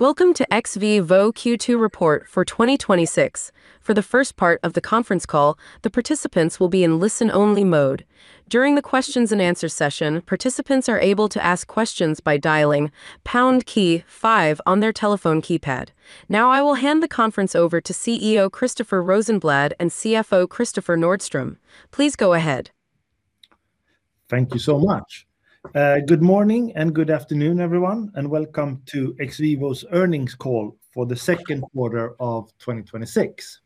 Welcome to XVIVO Q2 Report for 2026. For the first part of the conference call, the participants will be in listen-only mode. During the questions and answers session, participants are able to ask questions by dialing pound key five on their telephone keypad. Now, I will hand the conference over to CEO Christoffer Rosenblad and CFO Kristoffer Nordström. Please go ahead. Thank you so much. Good morning and good afternoon, everyone, welcome to XVIVO's earnings call for the second quarter of 2026.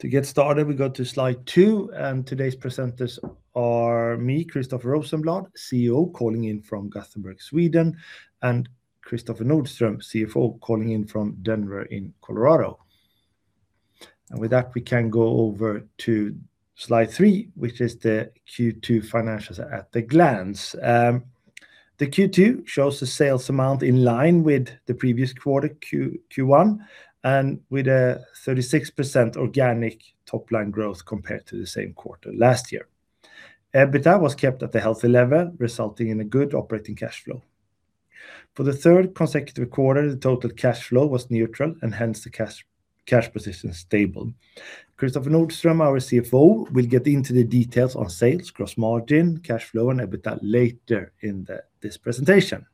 To get started, we go to slide two. Today's presenters are me, Christoffer Rosenblad, CEO, calling in from Gothenburg, Sweden, and Kristoffer Nordström, CFO, calling in from Denver in Colorado. With that, we can go over to slide three, which is the Q2 financials at a glance. The Q2 shows the sales amount in line with the previous quarter, Q1, with a 36% organic top-line growth compared to the same quarter last year. EBITDA was kept at a healthy level, resulting in a good operating cash flow. For the third consecutive quarter, the total cash flow was neutral and hence the cash position stable. Kristoffer Nordström, our CFO, will get into the details on sales, gross margin, cash flow, and EBITDA later in this presentation.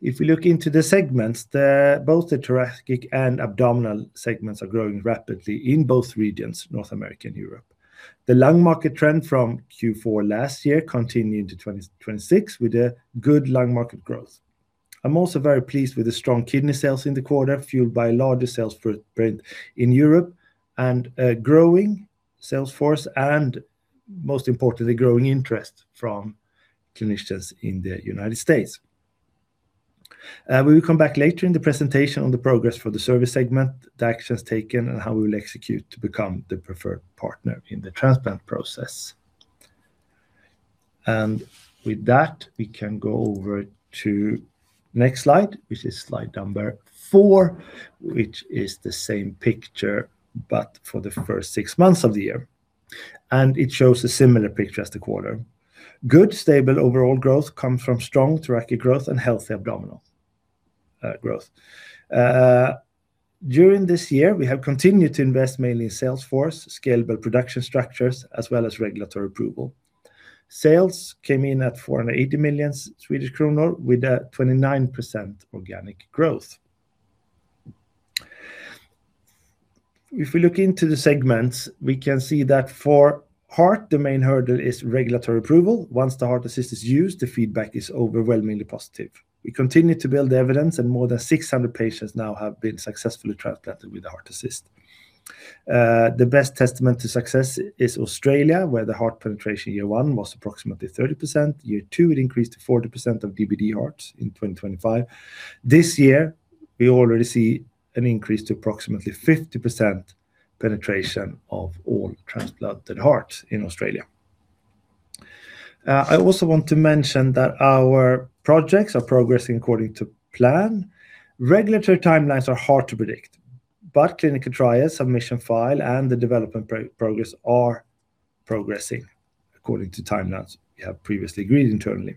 If we look into the segments, both the thoracic and abdominal segments are growing rapidly in both regions, North America and Europe. The lung market trend from Q4 last year continued into 2026 with a good lung market growth. I'm also very pleased with the strong kidney sales in the quarter, fueled by larger sales spread in Europe and a growing sales force, and most importantly, growing interest from clinicians in the United States. We will come back later in the presentation on the progress for the service segment, the actions taken, and how we will execute to become the preferred partner in the transplant process. With that, we can go over to next slide, which is slide number four, which is the same picture, but for the first six months of the year. It shows a similar picture as the quarter. Good, stable overall growth comes from strong thoracic growth and healthy abdominal growth. During this year, we have continued to invest mainly in sales force, scalable production structures, as well as regulatory approval. Sales came in at 480 million Swedish kronor with a 29% organic growth. If we look into the segments, we can see that for heart, the main hurdle is regulatory approval. Once the heart assist is used, the feedback is overwhelmingly positive. We continue to build evidence, and more than 600 patients now have been successfully transplanted with the heart assist. The best testament to success is Australia, where the heart penetration year one was approximately 30%. Year two, it increased to 40% of DBD hearts in 2025. This year, we already see an increase to approximately 50% penetration of all transplanted hearts in Australia. I also want to mention that our projects are progressing according to plan. Regulatory timelines are hard to predict, but clinical trials, submission file, and the development progress are progressing according to timelines we have previously agreed internally.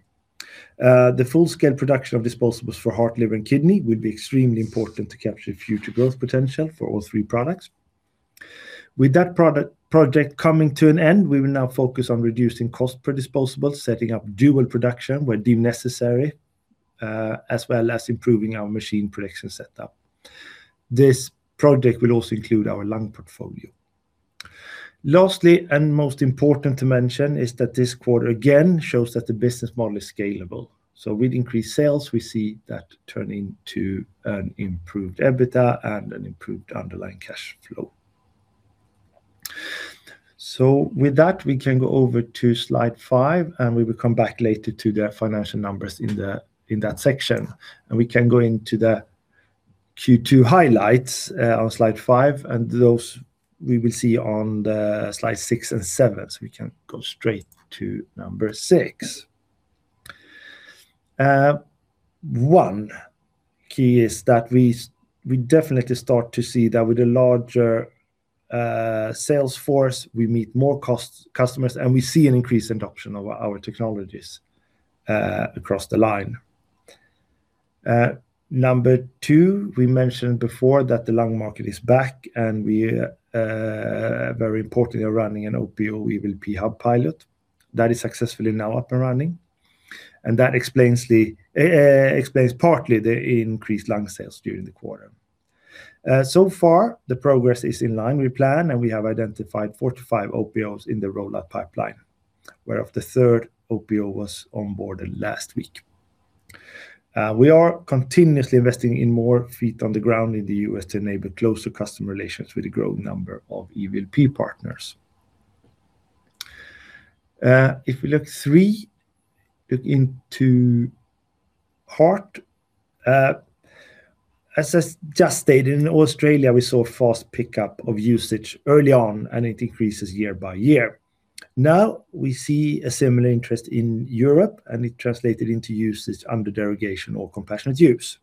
The full-scale production of disposables for heart, liver, and kidney will be extremely important to capture future growth potential for all three products. With that project coming to an end, we will now focus on reducing cost per disposable, setting up dual production where deemed necessary, as well as improving our machine production setup. This project will also include our lung portfolio. Lastly, and most important to mention, is that this quarter again shows that the business model is scalable. With increased sales, we see that turning to an improved EBITDA and an improved underlying cash flow. With that, we can go over to slide five, and we will come back later to the financial numbers in that section. We can go into the Q2 highlights on slide five, and those we will see on the slide six and seven. We can go straight to number six. One key is that we definitely start to see that with a larger sales force, we meet more customers, and we see an increase in adoption of our technologies across the line. Number two, we mentioned before that the lung market is back, and we are very importantly are running an OPO EVLP hub pilot that is successfully now up and running, and that explains partly the increased lung sales during the quarter. So far, the progress is in line with plan, and we have identified 45 OPOs in the rollout pipeline, where of the third OPO was onboarded last week. We are continuously investing in more feet on the ground in the U.S. to enable closer customer relations with a growing number of EVLP partners. Look into heart. As I just stated, in Australia, we saw fast pickup of usage early on, and it increases year by year. Now, we see a similar interest in Europe, and it translated into usage under derogation or compassionate use.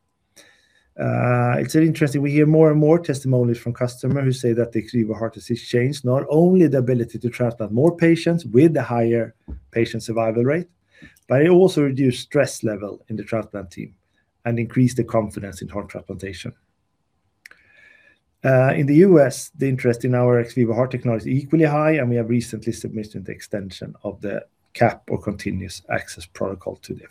It's interesting, we hear more and more testimonies from customers who say that the XVIVO Heart Assist changed not only the ability to transplant more patients with a higher patient survival rate, but it also reduced stress level in the transplant team and increased the confidence in heart transplantation. In the U.S., the interest in our XVIVO heart technology is equally high, and we have recently submitted the extension of the CAP, or Continuous Access Protocol, to the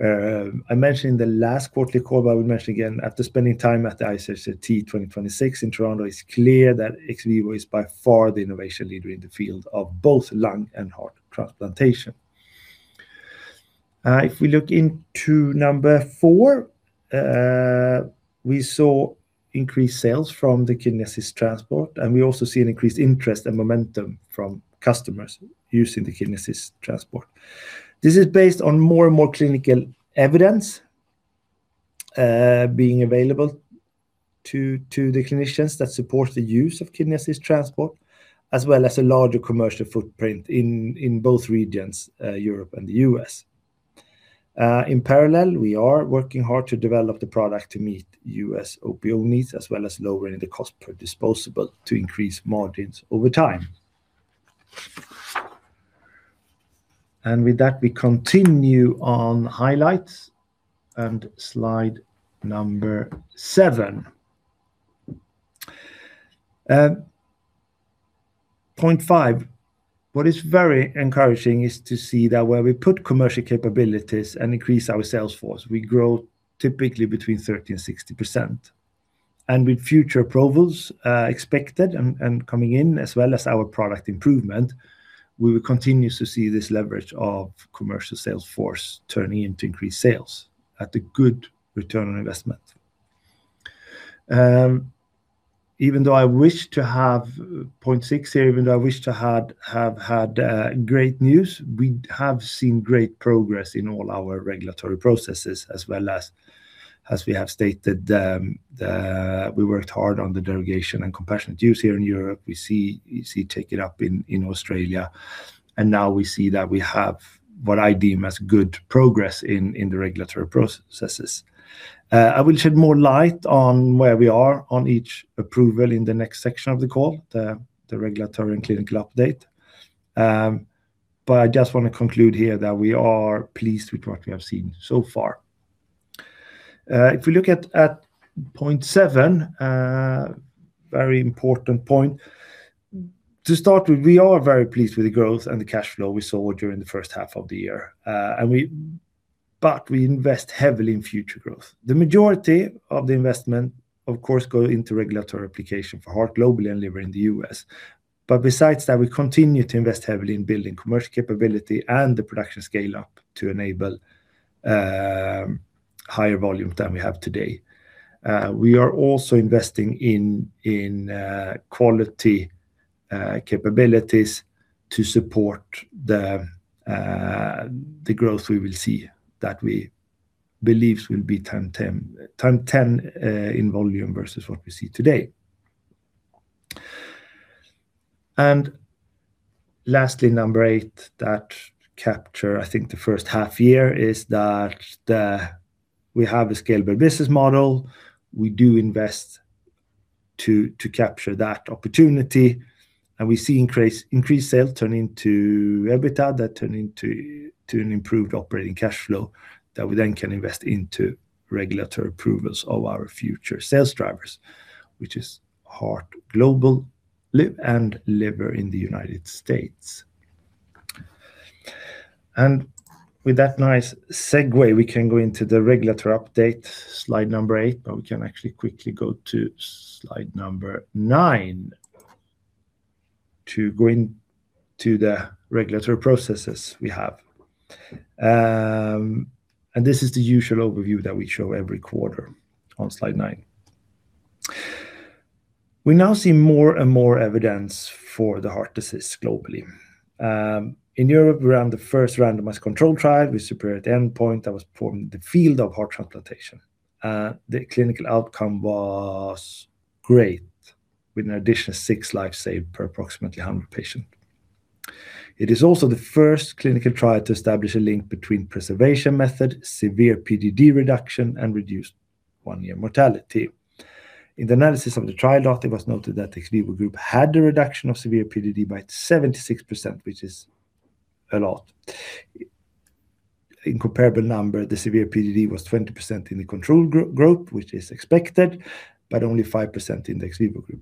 FDA. I mentioned in the last quarterly call, but I will mention again, after spending time at the ISHLT 2026 in Toronto, it's clear that XVIVO is by far the innovation leader in the field of both lung and heart transplantation. If we look into number four, we saw increased sales from the Kidney Assist Transport, and we also see an increased interest and momentum from customers using the Kidney Assist Transport. This is based on more and more clinical evidence being available to the clinicians that support the use of Kidney Assist Transport, as well as a larger commercial footprint in both regions, Europe and the U.S. In parallel, we are working hard to develop the product to meet U.S. opioid needs, as well as lowering the cost per disposable to increase margins over time. With that, we continue on highlights and slide number seven. Point five, what is very encouraging is to see that where we put commercial capabilities and increase our sales force, we grow typically between 30%-60%. With future approvals expected and coming in, as well as our product improvement, we will continue to see this leverage of commercial sales force turning into increased sales at a good return on investment. Point six here, even though I wish to have had great news, we have seen great progress in all our regulatory processes as well as we have stated, we worked hard on the derogation and compassionate use here in Europe. We see it taken up in Australia. Now we see that we have what I deem as good progress in the regulatory processes. I will shed more light on where we are on each approval in the next section of the call, the regulatory and clinical update. I just want to conclude here that we are pleased with what we have seen so far. If we look at point seven, very important point. To start with, we are very pleased with the growth and the cash flow we saw during the first half of the year. We invest heavily in future growth. The majority of the investment, of course, go into regulatory application for heart globally and liver in the U.S. Besides that, we continue to invest heavily in building commercial capability and the production scale-up to enable higher volume than we have today. We are also investing in quality capabilities to support the growth we will see that we believe will be 10x in volume versus what we see today. Lastly, number eight, that capture, I think, the first half year is that we have a scalable business model. We do invest to capture that opportunity, and we see increased sales turn into EBITDA, that turn into an improved operating cash flow that we then can invest into regulatory approvals of our future sales drivers, which is heart global and liver in the United States. With that nice segue, we can go into the regulatory update, slide number eight, we can actually quickly go to slide number nine to go into the regulatory processes we have. This is the usual overview that we show every quarter on slide nine. We now see more and more evidence for the heart assist globally. In Europe, we ran the first randomized control trial with superior endpoint that was performed in the field of heart transplantation. The clinical outcome was great, with an additional six lives saved per approximately 100 patients. It is also the first clinical trial to establish a link between preservation method, severe PDD reduction, and reduced one-year mortality. In the analysis of the trial data, it was noted that the XVIVO group had a reduction of severe PDD by 76%, which is a lot. In comparable number, the severe PDD was 20% in the control group, which is expected, but only 5% in the XVIVO group.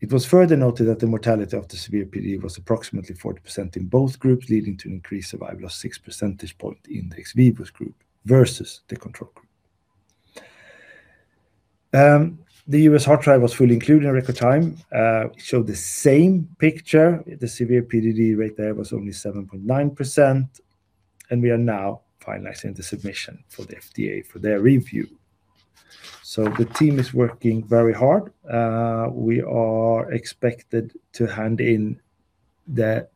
It was further noted that the mortality of the severe PDD was approximately 40% in both groups, leading to increased survival of six percentage point in the XVIVO group versus the control group. The U.S. heart trial was fully included in record time. It showed the same picture. The severe PDD rate there was only 7.9%, and we are now finalizing the submission for the FDA for their review. The team is working very hard. We are expected to hand in the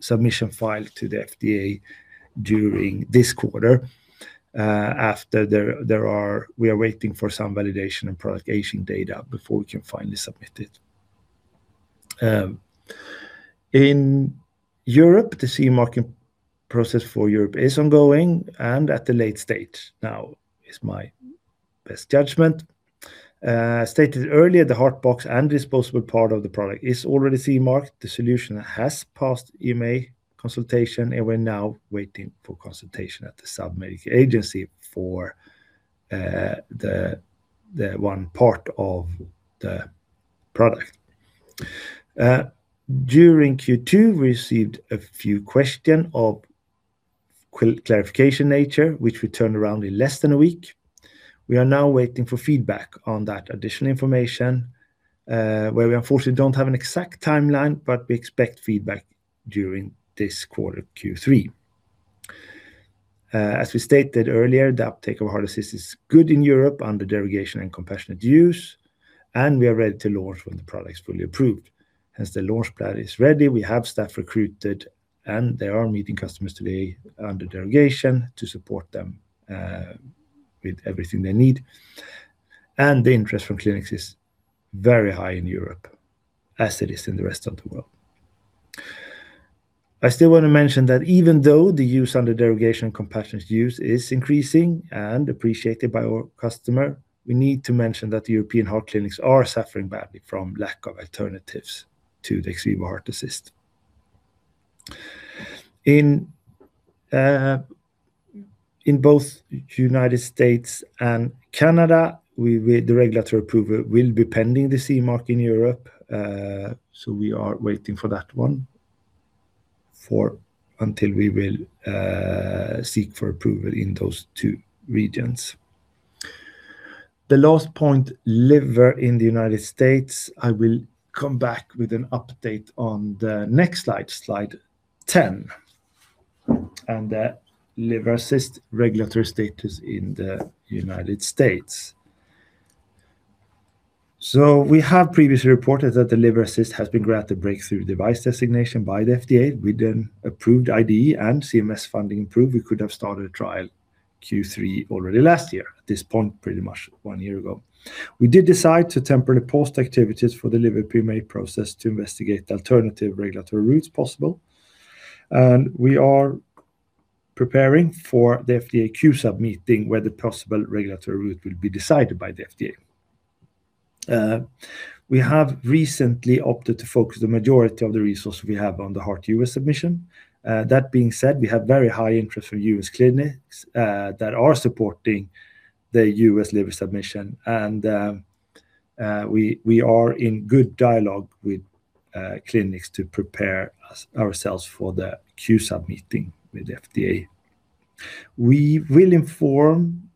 submission file to the FDA during this quarter. We are waiting for some validation and prolongation data before we can finally submit it. In Europe, the CE mark process for Europe is ongoing and at the late stage now is my best judgment. Stated earlier, the Heart Box and disposable part of the product is already CE mark. The solution has passed EMA consultation, and we're now waiting for consultation at the Swedish Medical Products Agency for the one part of the product. During Q2, we received a few question of clarification nature, which we turned around in less than a week. We are now waiting for feedback on that additional information, where we unfortunately don't have an exact timeline, but we expect feedback during this quarter, Q3. As we stated earlier, the uptake of Heart Assist is good in Europe under derogation and compassionate use, and we are ready to launch when the product is fully approved. Hence, the launch plan is ready. We have staff recruited, and they are meeting customers today under derogation to support them with everything they need. The interest from clinics is very high in Europe, as it is in the rest of the world. I still want to mention that even though the use under derogation and compassionate use is increasing and appreciated by our customer, we need to mention that European heart clinics are suffering badly from lack of alternatives to the XVIVO Heart Assist. In both United States and Canada, the regulatory approval will be pending the CE mark in Europe. We are waiting for that one until we will seek for approval in those two regions. The last point, liver in the United States, I will come back with an update on the next slide 10, and the Liver Assist regulatory status in the United States. We have previously reported that the Liver Assist has been granted breakthrough device designation by the FDA. With an approved IDE and CMS funding approved, we could have started a trial Q3 already last year at this point, pretty much one year ago. We did decide to temporarily pause activities for the liver PMA process to investigate alternative regulatory routes possible. We are preparing for the FDA Q-Sub meeting, where the possible regulatory route will be decided by the FDA. We have recently opted to focus the majority of the resources we have on the heart U.S. submission. That being said, we have very high interest from U.S. clinics that are supporting the U.S. liver submission, and we are in good dialogue with clinics to prepare ourselves for the Q-Sub meeting with the FDA. We will inform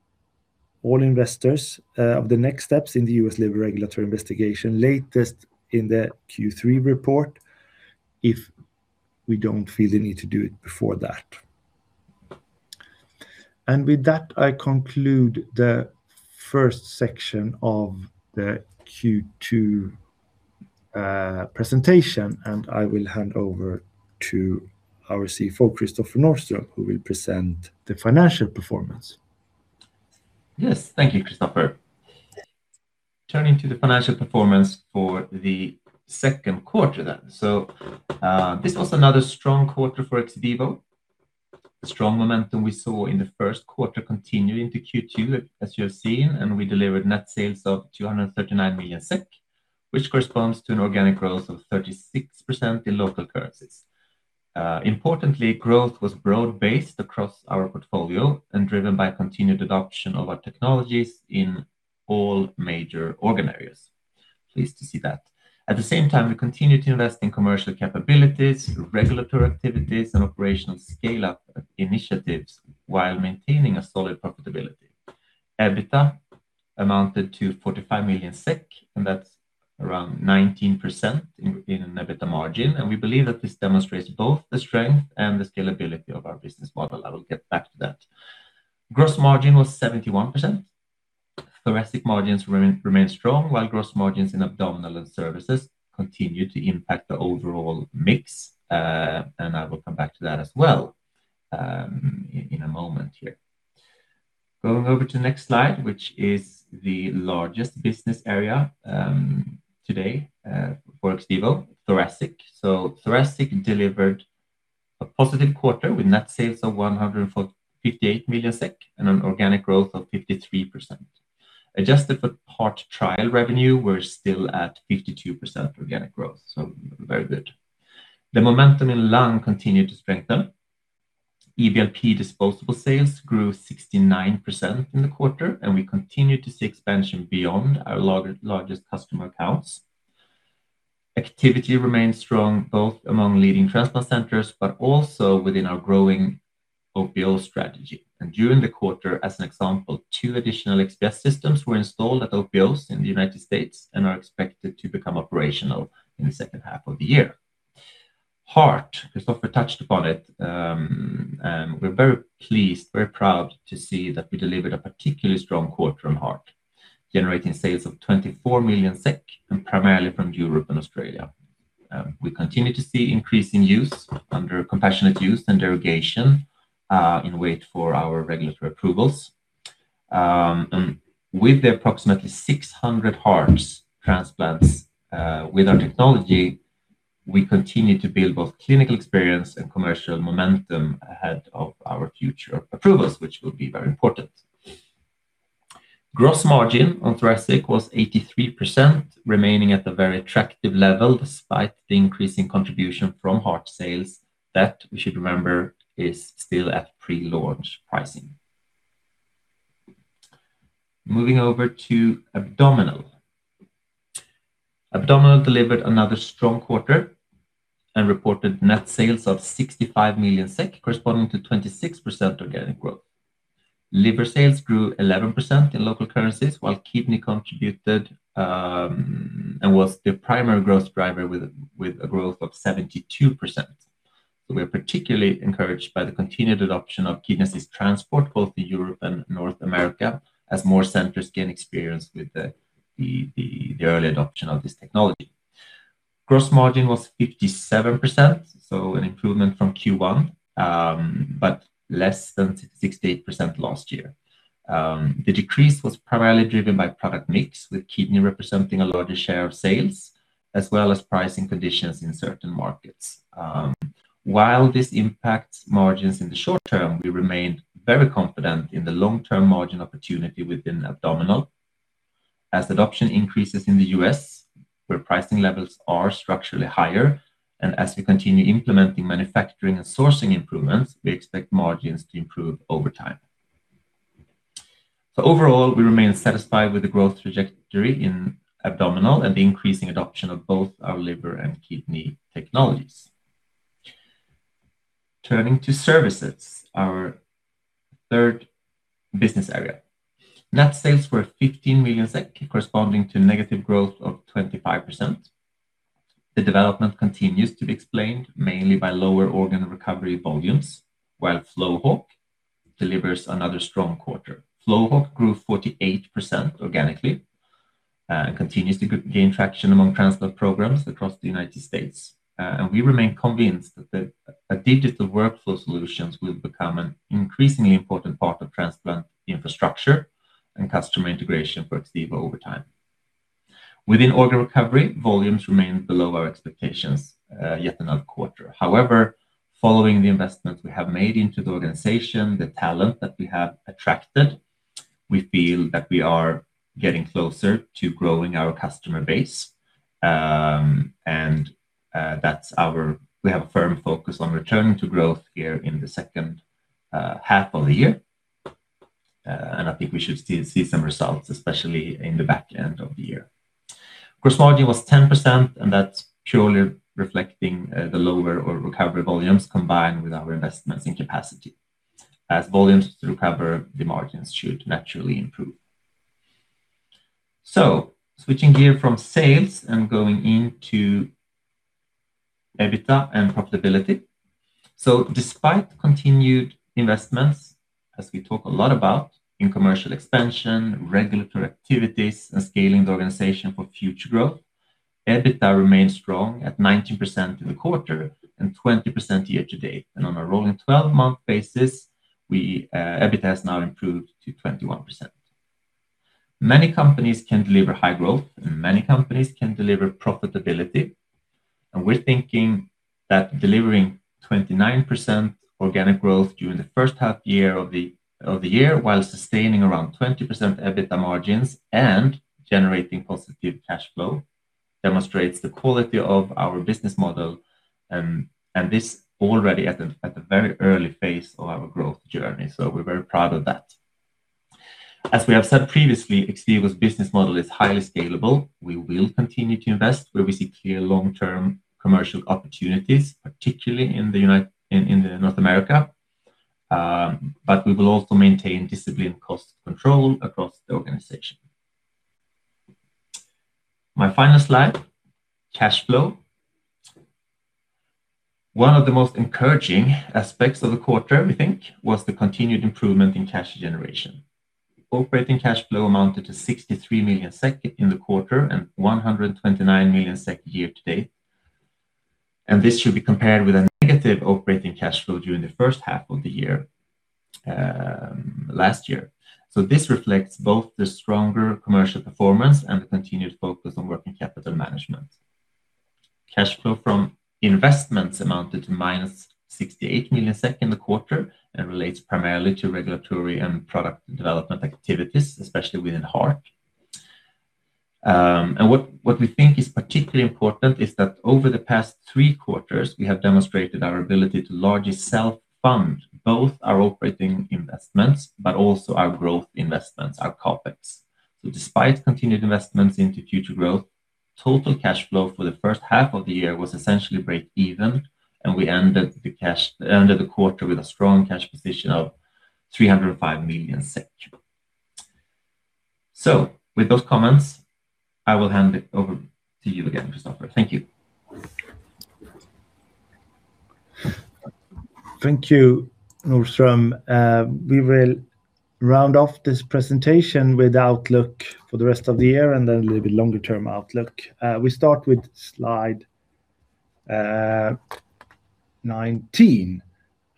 all investors of the next steps in the U.S. liver regulatory investigation latest in the Q3 report, if we don't feel the need to do it before that. With that, I conclude the first section of the Q2 presentation, I will hand over to our CFO, Kristoffer Nordström, who will present the financial performance. Yes. Thank you, Christoffer. Turning to the financial performance for the second quarter. This was another strong quarter for XVIVO. The strong momentum we saw in the first quarter continuing to Q2, as you have seen, we delivered net sales of 239 million SEK, which corresponds to an organic growth of 36% in local currencies. Importantly, growth was broad-based across our portfolio and driven by continued adoption of our technologies in all major organ areas. Pleased to see that. At the same time, we continue to invest in commercial capabilities, regulatory activities, and operational scale-up initiatives while maintaining a solid profitability. EBITDA amounted to 45 million SEK, and that's around 19% in an EBITDA margin. We believe that this demonstrates both the strength and the scalability of our business model. I will get back to that. Gross margin was 71%. Thoracic margins remain strong, while gross margins in abdominal and services continue to impact the overall mix. I will come back to that as well in a moment here. Going over to the next slide, which is the largest business area today for XVIVO, thoracic. Thoracic delivered a positive quarter with net sales of 158 million SEK and an organic growth of 53%. Adjusted for part trial revenue, we're still at 52% organic growth, very good. The momentum in lung continued to strengthen. EVLP disposable sales grew 69% in the quarter, we continue to see expansion beyond our largest customer accounts. Activity remains strong, both among leading transplant centers, but also within our growing OPO strategy. During the quarter, as an example, two additional XPS systems were installed at OPOs in the United States. and are expected to become operational in the second half of the year. Heart, Christoffer touched upon it. We're very pleased, very proud to see that we delivered a particularly strong quarter on heart, generating sales of 24 million SEK and primarily from Europe and Australia. We continue to see increase in use under compassionate use and derogation in wait for our regulatory approvals. With the approximately 600 hearts transplants with our technology, we continue to build both clinical experience and commercial momentum ahead of our future approvals, which will be very important. Gross margin on thoracic was 83%, remaining at a very attractive level despite the increasing contribution from heart sales that we should remember is still at pre-launch pricing. Moving over to abdominal. Abdominal delivered another strong quarter and reported net sales of 65 million SEK, corresponding to 26% organic growth. Liver sales grew 11% in local currencies while kidney contributed, and was the primary growth driver with a growth of 72%. We are particularly encouraged by the continued adoption of Kidney Assist Transport, both to Europe and North America, as more centers gain experience with the early adoption of this technology. Gross margin was 57%, an improvement from Q1, but less than 68% last year. The decrease was primarily driven by product mix, with kidney representing a larger share of sales, as well as pricing conditions in certain markets. While this impacts margins in the short term, we remain very confident in the long-term margin opportunity within Abdominal as adoption increases in the U.S., where pricing levels are structurally higher, and as we continue implementing manufacturing and sourcing improvements, we expect margins to improve over time. Overall, we remain satisfied with the growth trajectory in Abdominal and the increasing adoption of both our liver and kidney technologies. Turning to services, our third business area. Net sales were 15 million SEK, corresponding to negative growth of 25%. The development continues to be explained mainly by lower organ recovery volumes, while FlowHawk delivers another strong quarter. FlowHawk grew 48% organically, and continues to gain traction among transplant programs across the United States. We remain convinced that the digital workflow solutions will become an increasingly important part of transplant infrastructure and customer integration for XVIVO over time. Within organ recovery, volumes remain below our expectations yet another quarter. However, following the investments we have made into the organization, the talent that we have attracted, we feel that we are getting closer to growing our customer base, and we have a firm focus on returning to growth here in the second half of the year. I think we should see some results, especially in the back end of the year. Gross margin was 10%, and that's purely reflecting the lower organ recovery volumes combined with our investments in capacity. As volumes recover, the margins should naturally improve. Switching gear from sales and going into EBITDA and profitability. Despite continued investments, as we talk a lot about in commercial expansion, regulatory activities, and scaling the organization for future growth, EBITDA remains strong at 19% in the quarter and 20% year to date. On a rolling 12-month basis, EBITDA has now improved to 21%. Many companies can deliver high growth, and many companies can deliver profitability. We're thinking that delivering 29% organic growth during the first half year of the year while sustaining around 20% EBITDA margins and generating positive cash flow demonstrates the quality of our business model, and this already at the very early phase of our growth journey. We're very proud of that. As we have said previously, XVIVO's business model is highly scalable. We will continue to invest where we see clear long-term commercial opportunities, particularly in North America, but we will also maintain disciplined cost control across the organization. My final slide, cash flow. One of the most encouraging aspects of the quarter, we think, was the continued improvement in cash generation. Operating cash flow amounted to 63 million SEK in the quarter and 129 million SEK year-to-date. This should be compared with a negative operating cash flow during the first half of the year, last year. This reflects both the stronger commercial performance and the continued focus on working capital management. Cash flow from investments amounted to -68 million SEK in the quarter and relates primarily to regulatory and product development activities, especially within heart. What we think is particularly important is that over the past three quarters, we have demonstrated our ability to largely self-fund both our operating investments, but also our growth investments, our CapEx. Despite continued investments into future growth, total cash flow for the first half of the year was essentially break even, and we ended the quarter with a strong cash position of 305 million SEK. With those comments, I will hand it over to you again, Christoffer. Thank you. Thank you, Nordström. We will round off this presentation with outlook for the rest of the year and then a little bit longer-term outlook. We start with slide 19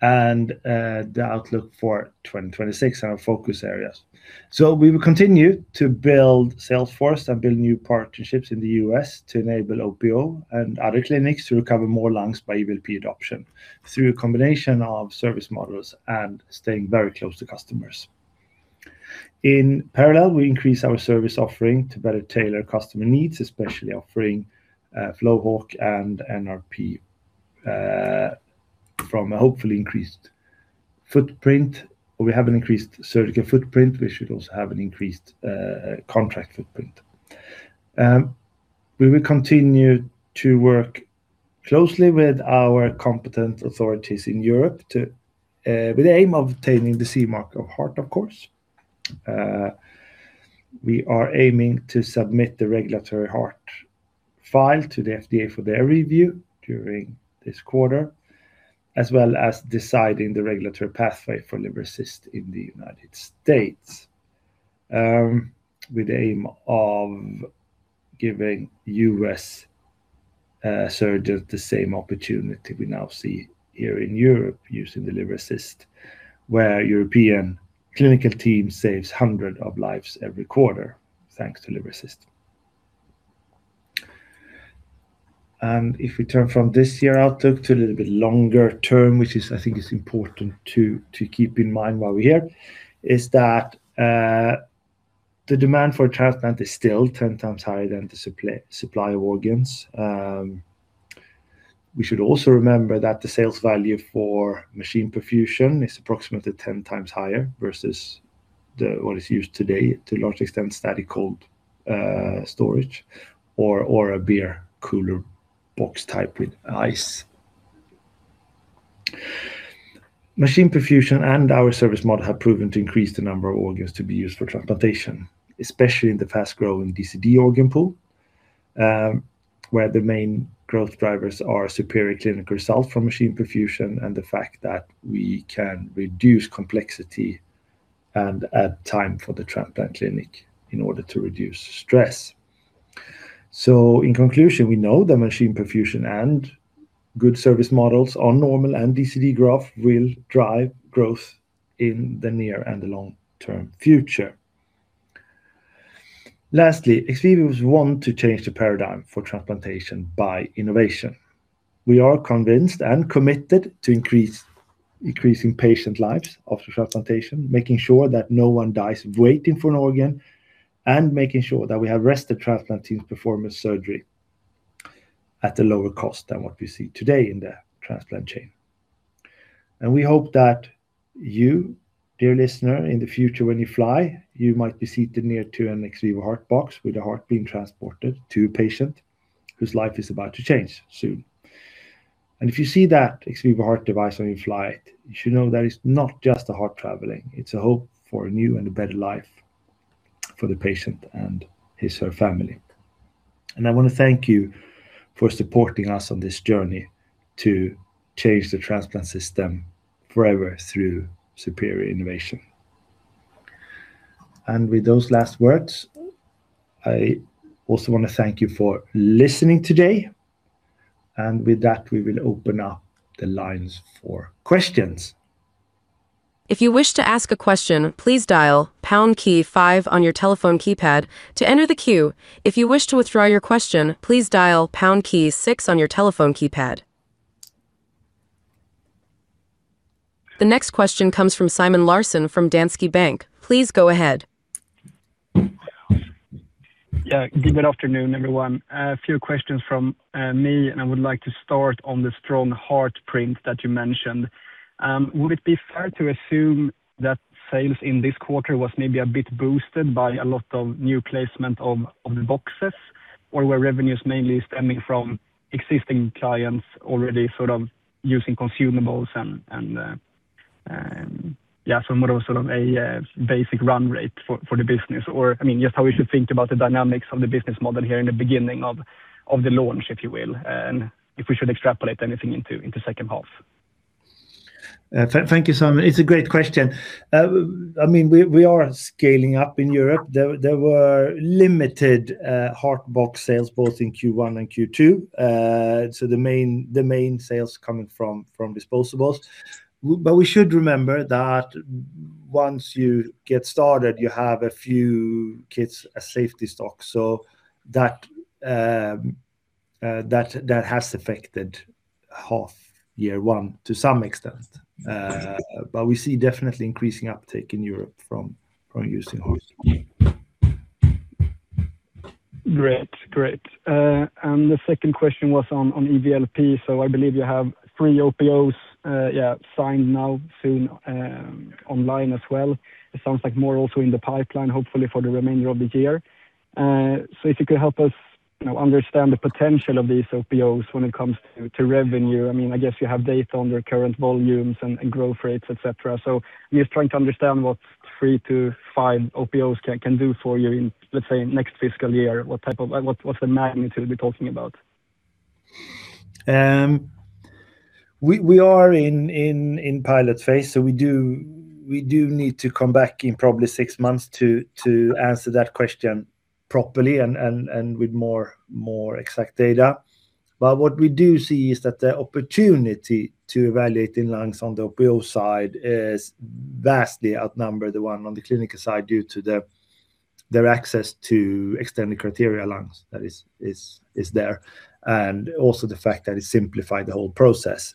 and the outlook for 2026, our focus areas. We will continue to build sales force and build new partnerships in the U.S. to enable OPO and other clinics to recover more lungs by EVLP adoption through a combination of service models and staying very close to customers. In parallel, we increase our service offering to better tailor customer needs, especially offering FlowHawk and NRP from a hopefully increased footprint. We have an increased surgical footprint. We should also have an increased contract footprint. We will continue to work closely with our competent authorities in Europe with the aim of obtaining the CE mark of heart, of course. We are aiming to submit the regulatory heart file to the FDA for their review during this quarter, as well as deciding the regulatory pathway for Liver Assist in the United States, with the aim of giving U.S. surgeons the same opportunity we now see here in Europe using the Liver Assist, where European clinical team saves hundreds of lives every quarter, thanks to Liver Assist. If we turn from this year outlook to a little bit longer term, which is, I think is important to keep in mind while we're here, is that the demand for transplant is still 10x higher than the supply of organs. We should also remember that the sales value for machine perfusion is approximately 10x higher versus what is used today to a large extent, static cold storage or a beer cooler box type with ice. Machine perfusion and our service model have proven to increase the number of organs to be used for transplantation, especially in the fast-growing DCD organ pool, where the main growth drivers are superior clinical result from machine perfusion and the fact that we can reduce complexity and add time for the transplant clinic in order to reduce stress. In conclusion, we know that machine perfusion and good service models on normal and DCD graft will drive growth in the near and the long-term future. Lastly, XVIVO want to change the paradigm for transplantation by innovation. We are convinced and committed to increasing patient lives after transplantation, making sure that no one dies waiting for an organ, and making sure that we have rested transplant teams performance surgery at a lower cost than what we see today in the transplant chain. We hope that you, dear listener, in the future, when you fly, you might be seated near to an XVIVO Heart Box with a heart being transported to a patient whose life is about to change soon. If you see that XVIVO heart device on your flight, you should know that it's not just a heart traveling, it's a hope for a new and a better life for the patient and his/her family. I want to thank you for supporting us on this journey to change the transplant system forever through superior innovation. With those last words, I also want to thank you for listening today, and with that, we will open up the lines for questions. If you wish to ask a question, please dial pound key five on your telephone keypad to enter the queue. If you wish to withdraw your question, please dial pound key six on your telephone keypad. The next question comes from Simon Larsson from Danske Bank. Please go ahead. Good afternoon, everyone. A few questions from me, I would like to start on the strong heart print that you mentioned. Would it be fair to assume that sales in this quarter was maybe a bit boosted by a lot of new placement of the boxes, or were revenues mainly stemming from existing clients already sort of using consumables and from what was sort of a basic run rate for the business or just how we should think about the dynamics of the business model here in the beginning of the launch, if you will, and if we should extrapolate anything into second half. Thank you, Simon. It's a great question. We are scaling up in Europe. There were limited Heart Box sales both in Q1 and Q2. The main sales coming from disposables. We should remember that once you get started, you have a few kits as safety stock. That has affected half year one to some extent. We see definitely increasing uptake in Europe from using Heart. Great. The second question was on EVLP. I believe you have three OPOs, yeah, signed now soon online as well. It sounds like more also in the pipeline, hopefully for the remainder of the year. If you could help us understand the potential of these OPOs when it comes to revenue. I guess you have data on their current volumes and growth rates, et cetera. Just trying to understand what three to five OPOs can do for you in, let's say, next fiscal year. What's the magnitude we're talking about? We are in pilot phase, we do need to come back in probably six months to answer that question properly and with more exact data. What we do see is that the opportunity to evaluate in lungs on the OPO side is vastly outnumber the one on the clinical side due to their access to extended criteria lungs that is there. Also the fact that it simplified the whole process.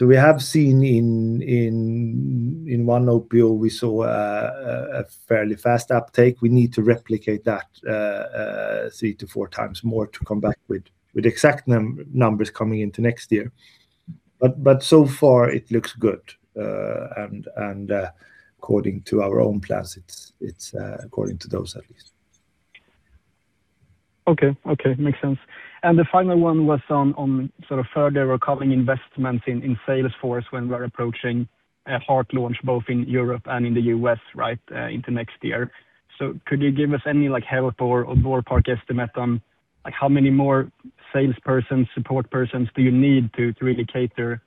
We have seen in one OPO, we saw a fairly fast uptake. We need to replicate that 3x-4x more to come back with exact numbers coming into next year. So far it looks good. According to our own plans, it's according to those at least. Okay. Makes sense. The final one was on further recovering investments in sales force when we're approaching a Heart launch both in Europe and in the U.S. right into next year. Could you give us any help or ballpark estimate on how many more sales persons, support persons do you need to really cater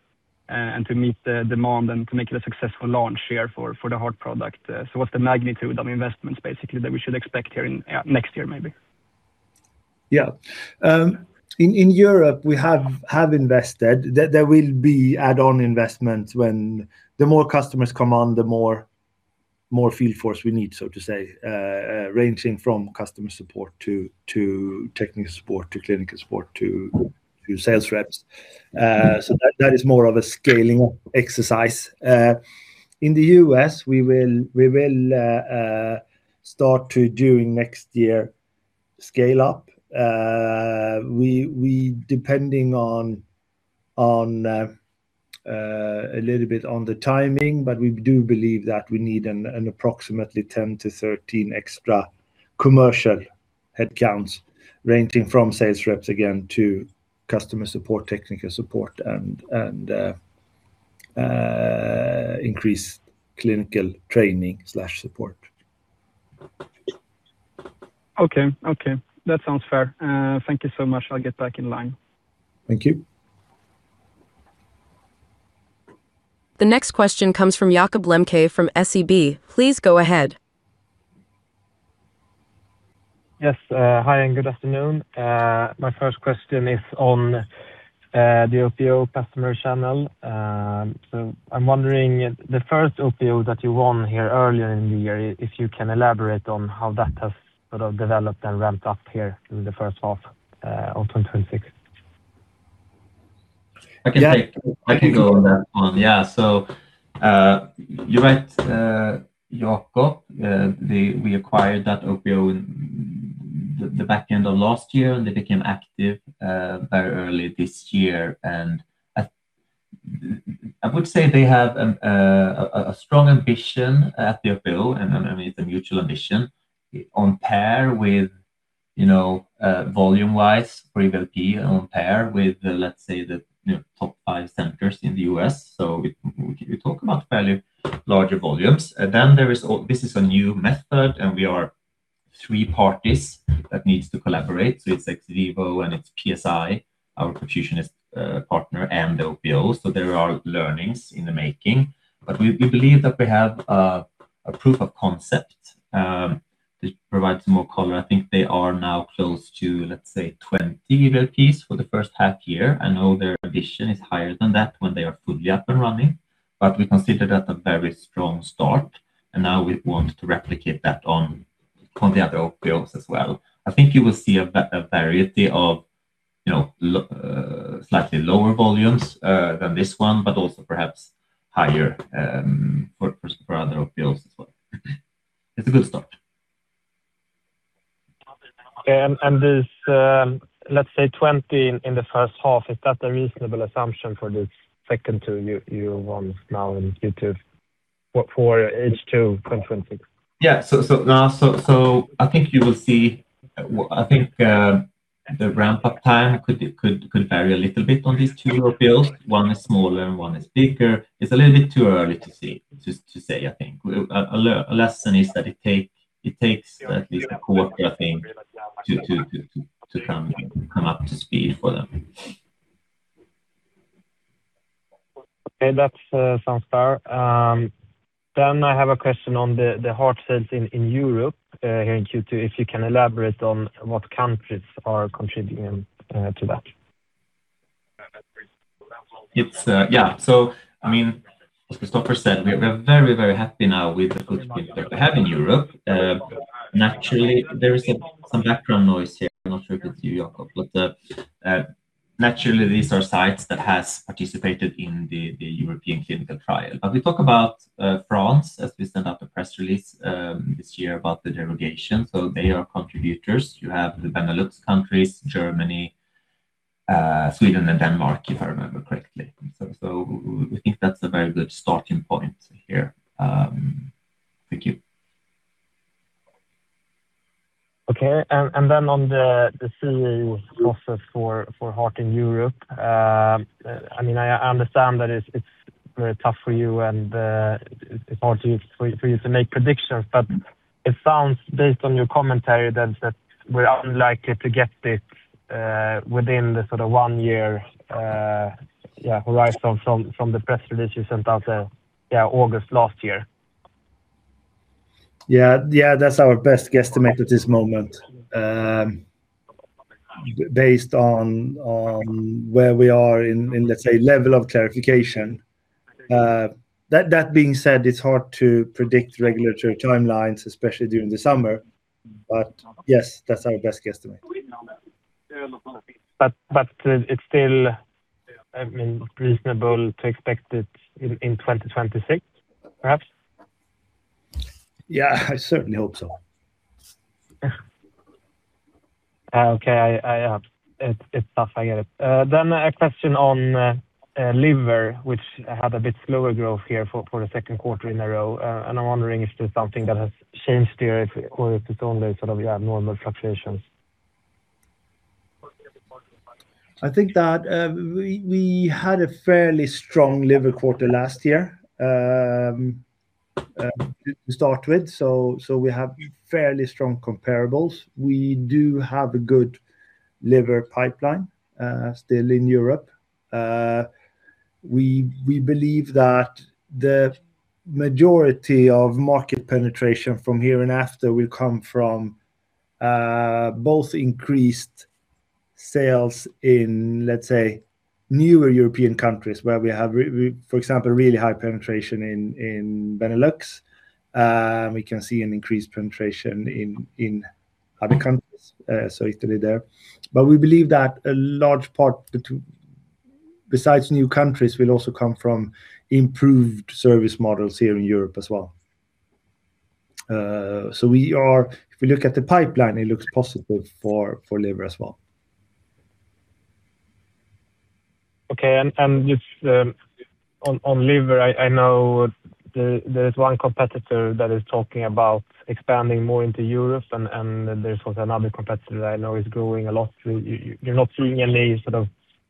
and to meet the demand and to make it a successful launch here for the Heart product? What's the magnitude of investments basically that we should expect here in next year maybe? Yeah. In Europe we have invested. There will be add-on investments when the more customers come on, the more field force we need, so to say, ranging from customer support to technical support to clinical support to sales reps. That is more of a scaling exercise. In the U.S. we will start to, during next year, scale up. Depending a little bit on the timing, but we do believe that we need an approximately 10-13 extra commercial headcounts ranging from sales reps again to customer support, technical support and increased clinical training/support. Okay. That sounds fair. Thank you so much. I'll get back in line. Thank you. The next question comes from Jakob Lembke from SEB. Please go ahead. Yes. Hi, and good afternoon. My first question is on the OPO customer channel. I'm wondering if the first OPO that you won here earlier in the year, if you can elaborate on how that has sort of developed and ramped up here in the first half of 2026. I can go on that one. Yeah. You're right, Jakob, we acquired that OPO in the back end of last year, and they became active very early this year. I would say they have a strong ambition at the OPO and it's a mutual ambition on par with volume-wise, pre-LP on par with, let's say the top five centers in the U.S. We talk about fairly larger volumes. This is a new method and we are three parties that needs to collaborate. It's XVIVO and it's PSI, our perfusion partner and the OPO. There are learnings in the making, but we believe that we have a proof of concept to provide some more color. I think they are now close to, let's say, 20 LP for the first half year. I know their ambition is higher than that when they are fully up and running, but we consider that a very strong start and now we want to replicate that on the other OPOs as well. I think you will see a variety of slightly lower volumes than this one, but also perhaps higher for other OPOs as well. It's a good start. Okay. This, let's say 20 in the first half, is that a reasonable assumption for the second two you won now in Q2 for H2 2026? I think you will see the ramp-up time could vary a little bit on these two OPOs. One is smaller and one is bigger. It's a little bit too early to say, I think. A lesson is that it takes at least a quarter, I think, to come up to speed for them. That sounds fair. I have a question on the heart sales in Europe here in Q2. If you can elaborate on what countries are contributing to that. As Christoffer said, we are very happy now with the good people that we have in Europe. Naturally, there is some background noise here. I'm not sure if it's you, Jakob, but naturally these are sites that has participated in the European clinical trial. We talk about France as we sent out the press release this year about the derogation. They are contributors. You have the Benelux countries, Germany, Sweden and Denmark, if I remember correctly. We think that's a very good starting point here. Thank you. On the CE process for heart in Europe. I understand that it's very tough for you, and it's hard for you to make predictions. It sounds based on your commentary that we're unlikely to get this within the one year horizon from the press release you sent out August last year. Yeah. That's our best guesstimate at this moment based on where we are in, let's say, level of clarification. That being said, it's hard to predict regulatory timelines, especially during the summer. Yes, that's our best guesstimate. It's still reasonable to expect it in 2026, perhaps? Yeah, I certainly hope so. Okay. It's tough, I get it. A question on Liver, which had a bit slower growth here for the second quarter in a row. I'm wondering if there's something that has changed there or if it's only normal fluctuations. I think that we had a fairly strong liver quarter last year to start with, we have fairly strong comparables. We do have a good liver pipeline still in Europe. We believe that the majority of market penetration from hereafter will come from both increased sales in, let's say, newer European countries where we have, for example, really high penetration in Benelux. We can see an increased penetration in other countries, Italy there. We believe that a large part, besides new countries, will also come from improved service models here in Europe as well. If we look at the pipeline, it looks possible for liver as well. Okay. On liver, I know there is one competitor that is talking about expanding more into Europe and there's also another competitor that I know is growing a lot. You're not seeing any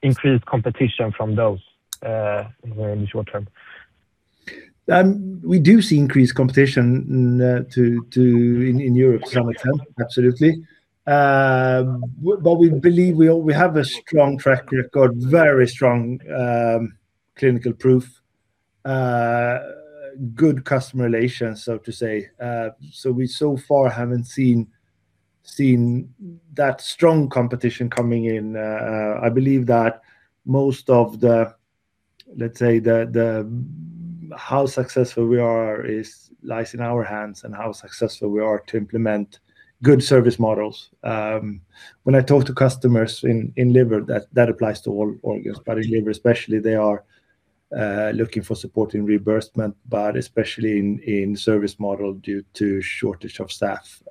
increased competition from those in the short term? We do see increased competition in Europe to some extent, absolutely. We believe we have a strong track record, very strong clinical proof, good customer relations, so to say. We so far haven't seen that strong competition coming in. I believe that most of how successful we are lies in our hands and how successful we are to implement good service models. When I talk to customers in liver, that applies to all organs, but in liver especially, they are looking for support in reimbursement, but especially in service model due to shortage of staff.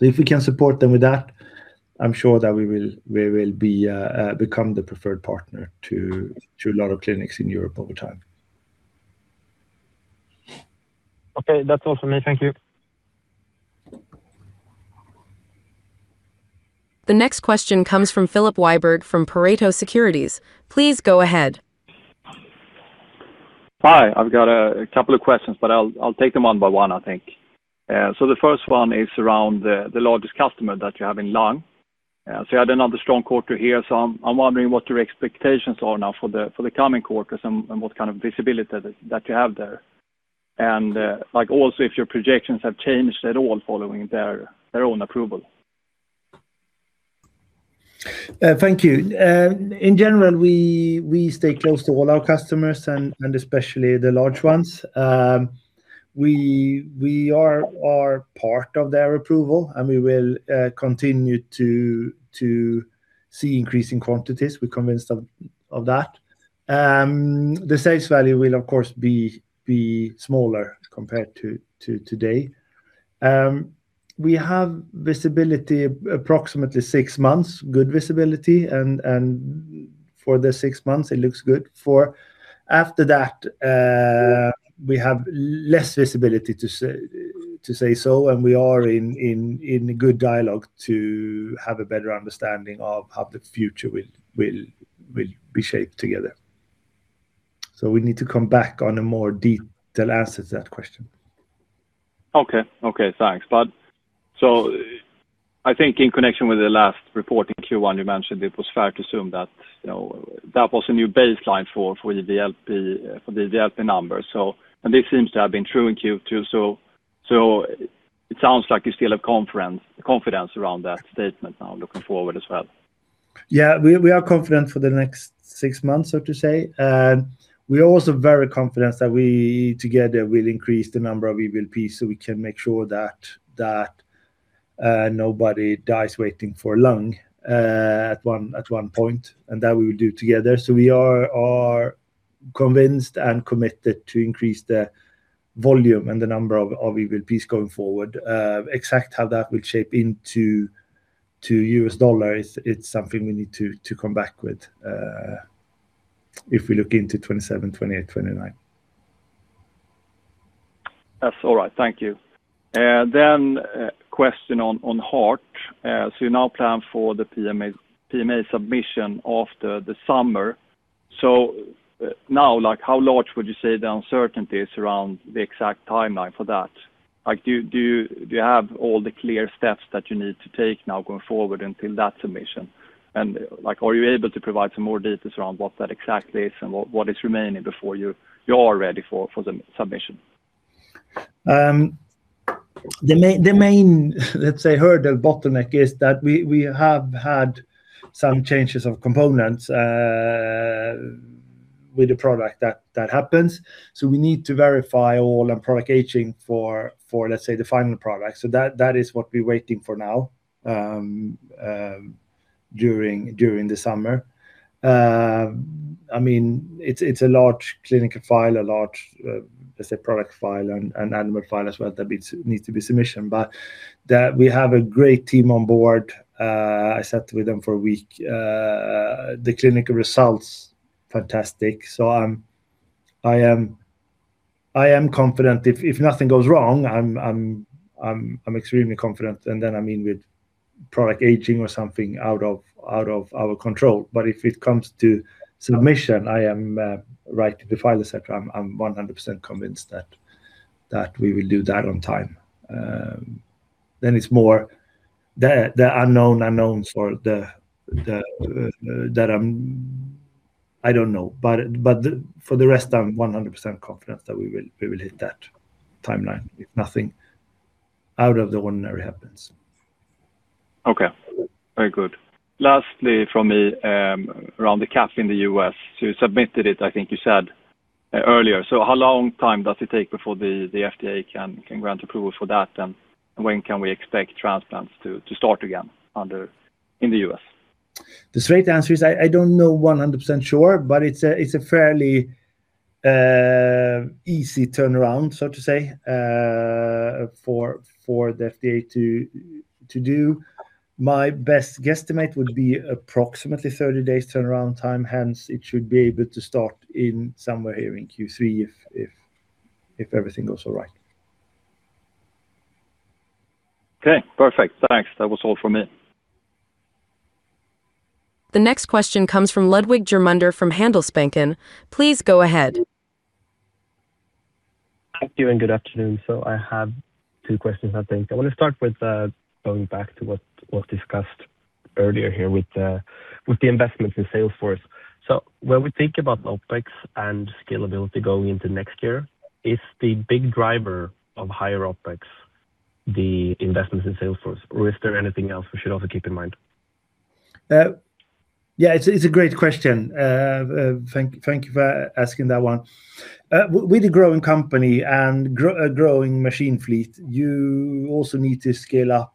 If we can support them with that, I'm sure that we will become the preferred partner to a lot of clinics in Europe over time. Okay. That's all from me. Thank you. The next question comes from Filip Wiberg from Pareto Securities. Please go ahead. Hi. I've got a couple of questions, but I'll take them one by one, I think. The first one is around the largest customer that you have in lung. You had another strong quarter here, so I'm wondering what your expectations are now for the coming quarters and what kind of visibility that you have there. Also if your projections have changed at all following their own approval. Thank you. In general, we stay close to all our customers and especially the large ones. We are part of their approval and we will continue to see increasing quantities. We're convinced of that. The sales value will of course be smaller compared to today. We have visibility approximately six months, good visibility, and for the six months it looks good. After that, we have less visibility to say so. We are in good dialogue to have a better understanding of how the future will be shaped together. We need to come back on a more detailed answer to that question. Okay. Thanks. I think in connection with the last report in Q1, you mentioned it was fair to assume that was a new baseline for the DLP number. This seems to have been true in Q2, so it sounds like you still have confidence around that statement now looking forward as well. We are confident for the next six months, so to say. We are also very confident that we together will increase the number of EVLPs so we can make sure that nobody dies waiting for lung at one point, and that we will do together. We are convinced and committed to increase the volume and the number of EVLPs going forward. Exactly how that will shape into U.S. dollar it's something we need to come back with if we look into 2027, 2028, 2029. That's all right. Thank you. A question on heart. You now plan for the PMA submission after the summer. Now, how large would you say the uncertainty is around the exact timeline for that? Do you have all the clear steps that you need to take now going forward until that submission? Are you able to provide some more details around what that exactly is and what is remaining before you are ready for the submission? The main, let's say, hurdle, bottleneck is that we have had some changes of components with the product. That happens. We need to verify all and product aging for, let's say, the final product. That is what we're waiting for now during the summer. It's a large clinical file, a large, let's say, product file and animal file as well that needs to be submission. We have a great team on board. I sat with them for a week. The clinical results, fantastic. I am confident if nothing goes wrong. I'm extremely confident. With product aging or something out of our control. If it comes to submission, I am right to the file, et cetera, I'm 100% convinced that we will do that on time. It's more the unknown unknowns or that I don't know. For the rest, I'm 100% confident that we will hit that timeline if nothing out of the ordinary happens. Okay. Very good. Lastly from me, around the PMA in the U.S. You submitted it, I think you said earlier. How long time does it take before the FDA can grant approval for that? When can we expect transplants to start again in the U.S.? The straight answer is I don't know 100% sure, but it's a fairly easy turnaround, so to say, for the FDA to do. My best guesstimate would be approximately 30 days turnaround time. Hence, it should be able to start in somewhere here in Q3 if everything goes all right. Okay, perfect. Thanks. That was all from me. The next question comes from Ludwig Germunder from Handelsbanken. Please go ahead. Thank you, and good afternoon. I have two questions, I think. I want to start with going back to what was discussed earlier here with the investments in Salesforce. When we think about OpEx and scalability going into next year, is the big driver of higher OpEx the investments in Salesforce, or is there anything else we should also keep in mind? Yeah, it's a great question. Thank you for asking that one. With a growing company and a growing machine fleet, you also need to scale up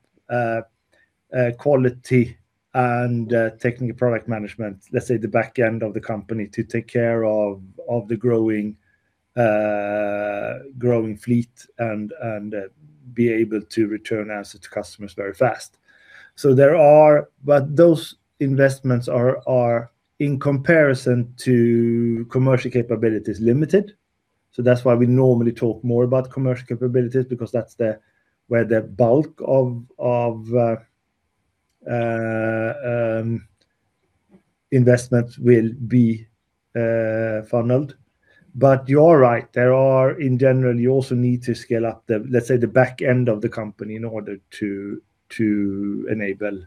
quality and technical product management, let's say the back end of the company, to take care of the growing fleet and be able to return answers to customers very fast. Those investments are in comparison to commercial capabilities limited. That's why we normally talk more about commercial capabilities, because that's where the bulk of investments will be funneled. You are right, in general, you also need to scale up the, let's say, the back end of the company in order to enable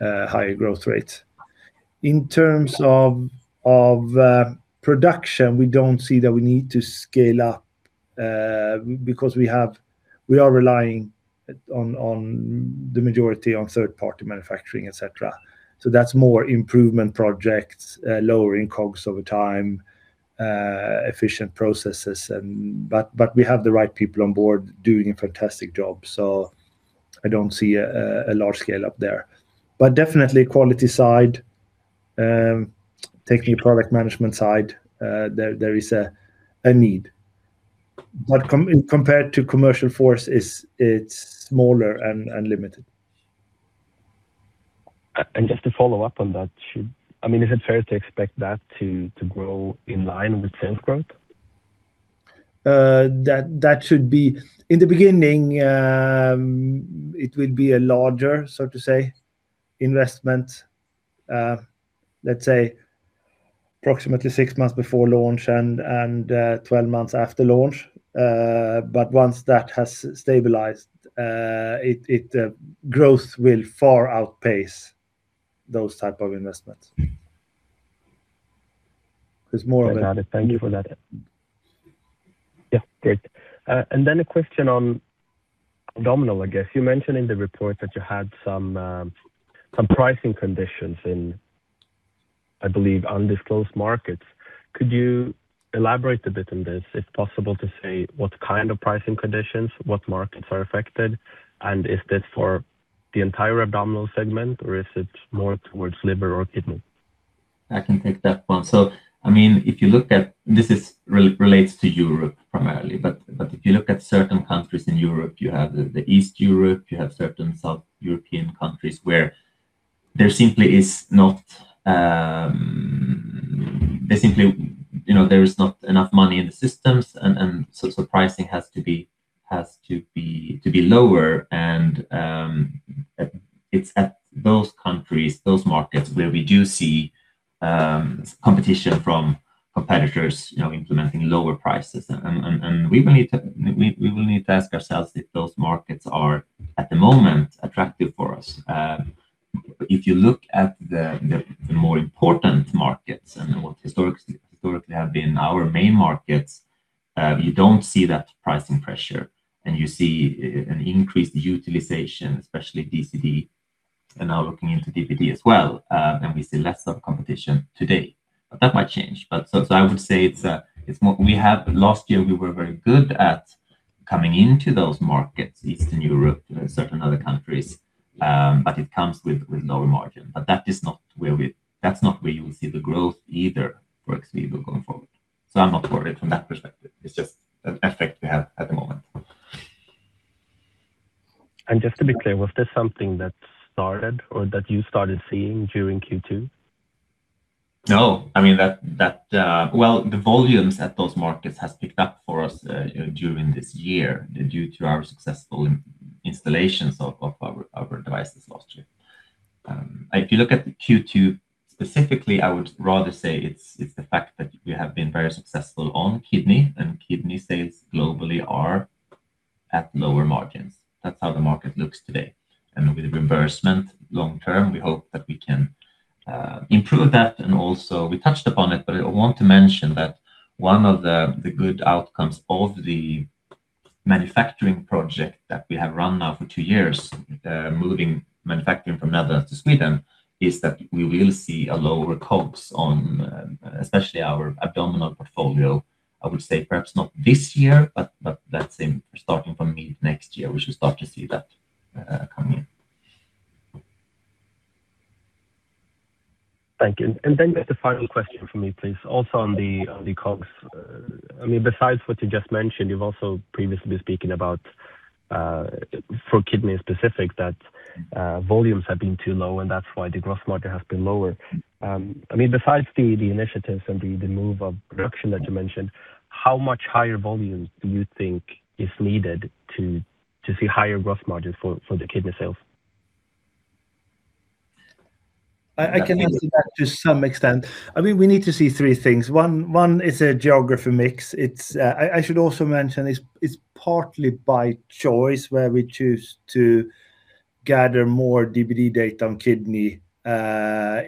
higher growth rates. In terms of production, we don't see that we need to scale up because we are relying on the majority on third-party manufacturing, et cetera. That's more improvement projects, lowering costs over time, efficient processes. We have the right people on board doing a fantastic job, so I don't see a large scale up there. Definitely quality side, technical product management side, there is a need. Compared to sales force, it's smaller and limited. Just to follow up on that, is it fair to expect that to grow in line with sales growth? In the beginning, it will be a larger, so to say, investment, let's say approximately six months before launch and 12 months after launch. Once that has stabilized, growth will far outpace those type of investments. Got it. Thank you for that. Yeah, great. Then a question on abdominal, I guess. You mentioned in the report that you had some pricing conditions in, I believe, undisclosed markets. Could you elaborate a bit on this? Is it possible to say what kind of pricing conditions, what markets are affected, and is this for the entire abdominal segment or is it more towards liver or kidney? I can take that one. This relates to Europe primarily. If you look at certain countries in Europe, you have the East Europe, you have certain South European countries where there simply is not enough money in the systems, pricing has to be lower, and it's at those countries, those markets, where we do see competition from competitors implementing lower prices. We will need to ask ourselves if those markets are, at the moment, attractive for us. If you look at the more important markets and what historically have been our main markets, you don't see that pricing pressure, and you see an increased utilization, especially DCD, and now looking into DBD as well. We see less of competition today, but that might change. Last year, we were very good at coming into those markets, Eastern Europe and certain other countries, it comes with lower margin. That's not where you will see the growth either for XVIVO going forward. I'm not worried from that perspective. It's just an effect we have at the moment. Just to be clear, was this something that started or that you started seeing during Q2? Well, the volumes at those markets has picked up for us during this year due to our successful installations of our devices last year. If you look at the Q2 specifically, I would rather say it's the fact that we have been very successful on kidney, and kidney sales globally are at lower margins. With reimbursement long term, we hope that we can improve that. Also, we touched upon it, but I want to mention that one of the good outcomes of the manufacturing project that we have run now for two years, moving manufacturing from Netherlands to Sweden, is that we will see a lower COGS on especially our abdominal portfolio. I would say perhaps not this year, but that's starting from mid next year, we should start to see that come in. Thank you. The final question from me, please, also on the COGS. Besides what you just mentioned, you've also previously been speaking about, for kidney specific, that volumes have been too low, and that's why the gross margin has been lower. Besides the initiatives and the move of production that you mentioned, how much higher volumes do you think is needed to see higher gross margin for the kidney sales? I can answer that to some extent. We need to see three things. One is a geography mix. I should also mention it's partly by choice, where we choose to gather more DBD data on kidney,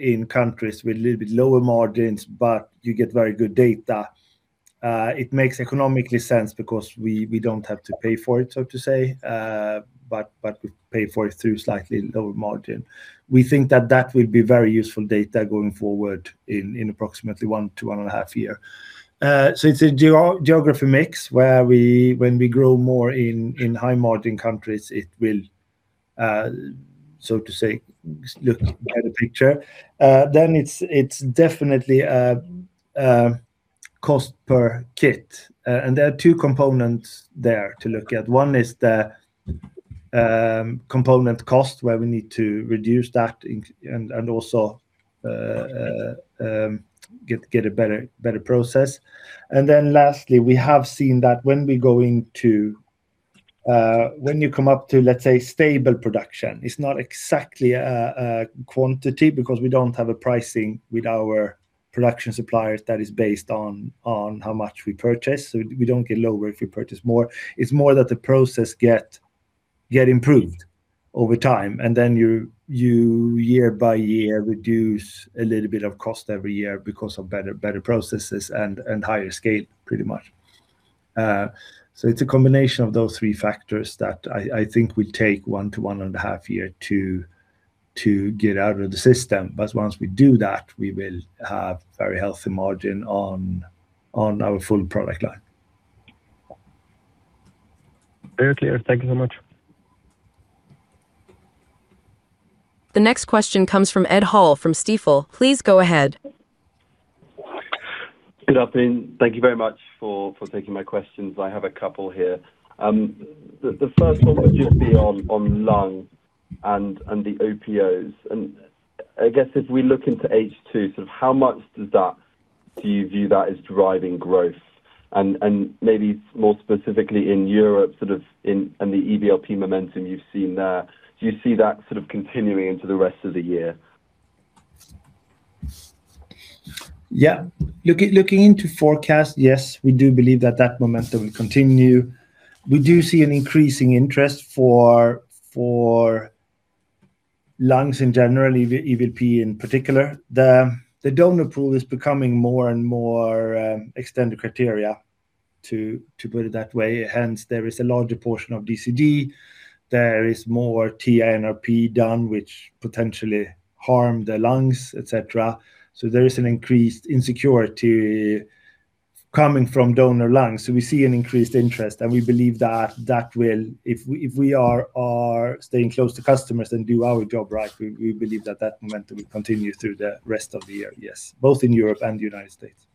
in countries with a little bit lower margins, but you get very good data. It makes economically sense because we don't have to pay for it, so to say, but we pay for it through slightly lower margin. We think that that will be very useful data going forward in approximately 1-1.5 year. It's a geography mix where when we grow more in high-margin countries, it will, so to say, look better picture. It's definitely cost per kit. There are two components there to look at. One is the component cost, where we need to reduce that and also get a better process. Lastly, we have seen that when you come up to, let's say, stable production, it is not exactly a quantity because we do not have a pricing with our production suppliers that is based on how much we purchase. We do not get lower if we purchase more. It is more that the process gets improved over time, and then you, year by year, reduce a little bit of cost every year because of better processes and higher scale, pretty much. It is a combination of those three factors that I think will take 1-1.5 years to get out of the system. Once we do that, we will have very healthy margin on our full product line. Very clear. Thank you so much. The next question comes from Ed Hall from Stifel. Please go ahead. Good afternoon. Thank you very much for taking my questions. I have a couple here. The first one would just be on lung and the OPOs. I guess as we look into H2, how much do you view that as driving growth? Maybe more specifically in Europe and the EVLP momentum you have seen there, do you see that continuing into the rest of the year? Yeah. Looking into forecast, yes, we do believe that that momentum will continue. We do see an increasing interest for lungs in general, EVLP in particular. The donor pool is becoming more and more extended criteria, to put it that way. Hence, there is a larger portion of DCD. There is more TA-NRP done, which potentially harm the lungs, et cetera. There is an increased insecurity coming from donor lungs. We see an increased interest, and if we are staying close to customers and do our job right, we believe that that momentum will continue through the rest of the year, yes. Both in Europe and the United States.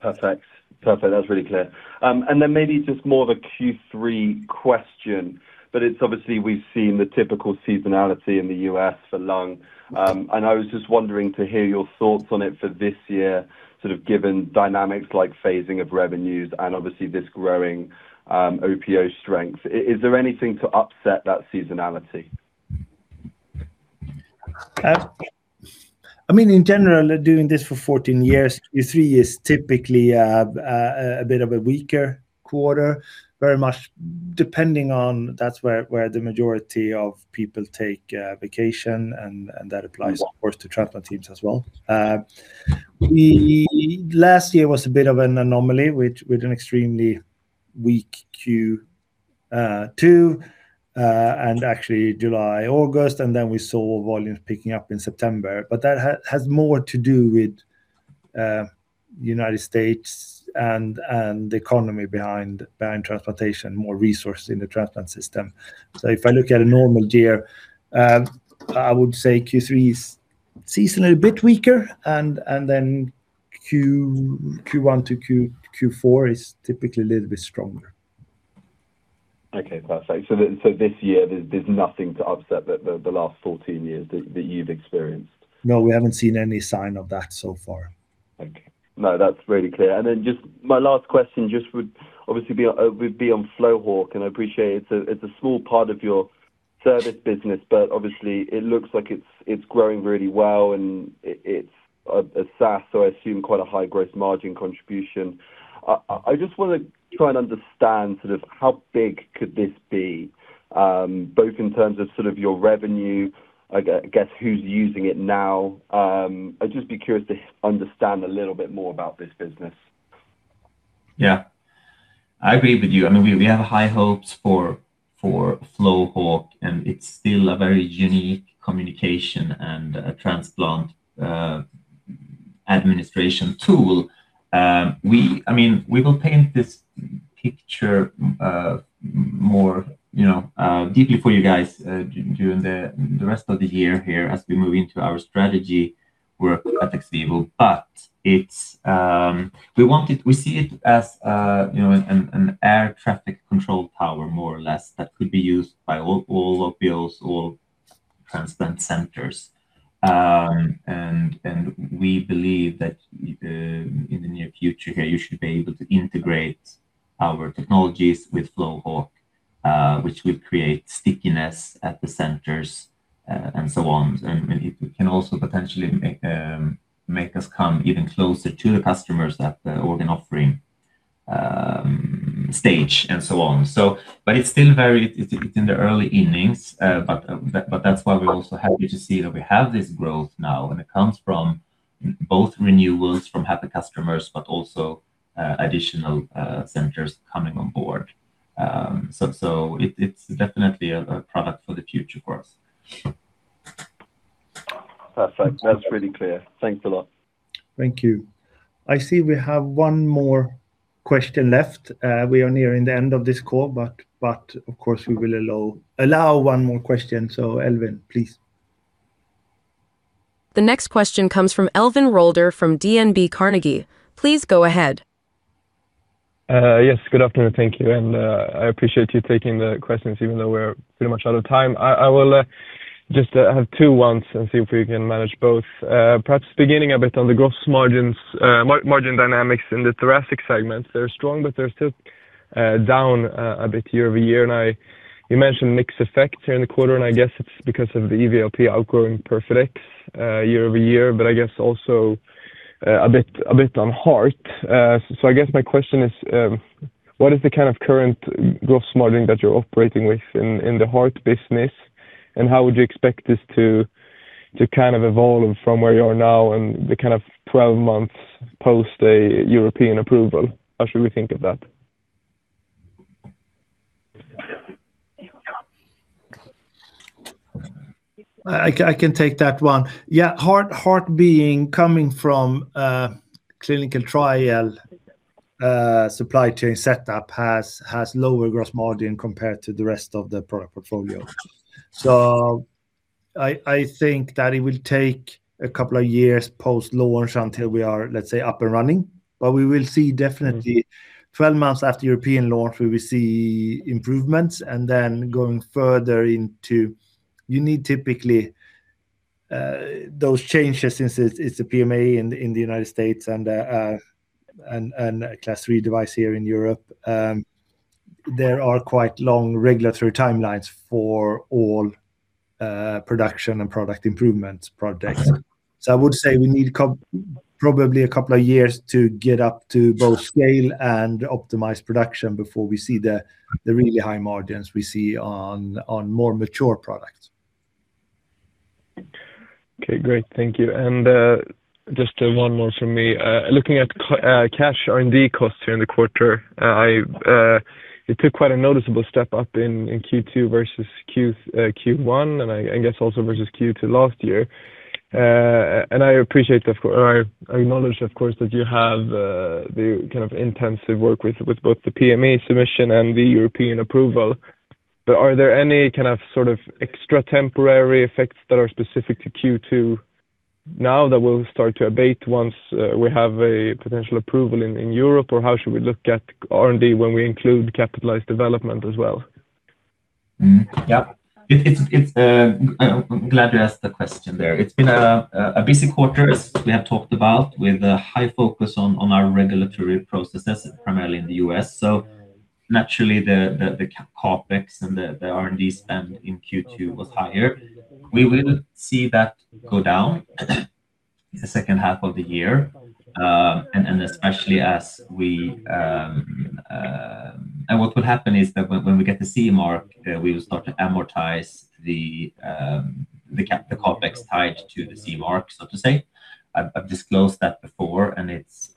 Perfect. That was really clear. Maybe just more of a Q3 question, but it's obviously we've seen the typical seasonality in the U.S. for lung. I was just wondering to hear your thoughts on it for this year, given dynamics like phasing of revenues and obviously this growing OPO strength. Is there anything to upset that seasonality? In general, doing this for 14 years, Q3 is typically a bit of a weaker quarter, very much depending on that's where the majority of people take vacation, and that applies, of course, to transplant teams as well. Last year was a bit of an anomaly, with an extremely weak Q2, and actually July, August, and then we saw volumes picking up in September. That has more to do with the United States and the economy behind transportation, more resource in the transplant system. If I look at a normal year, I would say Q3 is seasonally a bit weaker, and then Q1 to Q4 is typically a little bit stronger. Okay, perfect. This year, there's nothing to upset the last 14 years that you've experienced? No, we haven't seen any sign of that so far. Okay. No, that's really clear. Just my last question just would obviously be on FlowHawk. I appreciate it's a small part of your service business, obviously it looks like it's growing really well and it's a SaaS. I assume quite a high gross margin contribution. I just want to try and understand how big could this be, both in terms of your revenue, I guess who's using it now. I'd just be curious to understand a little bit more about this business. Yeah. I agree with you. We have high hopes for FlowHawk, it's still a very unique communication and a transplant administration tool. We will paint this picture more deeply for you guys during the rest of the year here as we move into our strategy work at XVIVO. We see it as an air traffic control tower, more or less, that could be used by all OPOs, all transplant centers. We believe that in the near future here, you should be able to integrate our technologies with FlowHawk, which will create stickiness at the centers and so on. It can also potentially make us come even closer to the customers at the organ offering stage and so on. It's still in the early innings, that's why we're also happy to see that we have this growth now, it comes from both renewals from happy customers, also additional centers coming on board. It's definitely a product for the future for us. Perfect. That's really clear. Thanks a lot. Thank you. I see we have one more question left. We are nearing the end of this call, of course, we will allow one more question. Elvin, please. The next question comes from Elvin Rolder from DNB Carnegie. Please go ahead. Yes, good afternoon. Thank you. I appreciate you taking the questions, even though we're pretty much out of time. I will just have two ones and see if we can manage both. Perhaps beginning a bit on the gross margin dynamics in the thoracic segment. They're strong, but they're still down a bit year-over-year. You mentioned mix effect here in the quarter, I guess it's because of the EVLP outgrowing PERFADEX year-over-year, I guess also a bit on heart. I guess my question is, what is the kind of current gross margin that you're operating with in the heart business, and how would you expect this to evolve from where you are now and the kind of 12 months post a European approval? How should we think of that? I can take that one. Heart coming from clinical trial supply chain setup has lower gross margin compared to the rest of the product portfolio. I think that it will take a couple of years post-launch until we are, let's say, up and running. We will see definitely 12 months after European launch, we will see improvements and then going further into. You need typically those changes since it's a PMA in the United States and a Class III device here in Europe. There are quite long regulatory timelines for all production and product improvement projects. I would say we need probably a couple of years to get up to both scale and optimize production before we see the really high margins we see on more mature products. Okay, great. Thank you. Just one more from me. Looking at cash R&D costs here in the quarter, it took quite a noticeable step up in Q2 versus Q1, and I guess also versus Q2 last year. I acknowledge, of course, that you have the kind of intensive work with both the PMA submission and the European approval. Are there any sort of extra temporary effects that are specific to Q2 now that will start to abate once we have a potential approval in Europe? How should we look at R&D when we include capitalized development as well? I'm glad you asked the question there. It's been a busy quarter, as we have talked about, with a high focus on our regulatory processes, primarily in the U.S. Naturally, the CapEx and the R&D spend in Q2 was higher. We will see that go down in the second half of the year, and what will happen is that when we get the CE mark, we will start to amortize the CapEx tied to the CE mark, so to say. I've disclosed that before, and it's